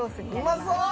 うまそう